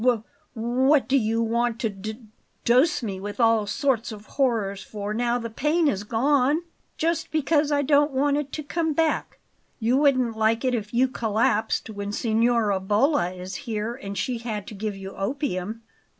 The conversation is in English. "W what do you want to d d dose me with all sorts of horrors for now the pain is gone?" "Just because I don't want it to come back. You wouldn't like it if you collapsed when Signora Bolla is here and she had to give you opium."